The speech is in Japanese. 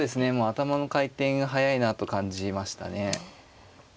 頭の回転が速いなと感じましたね。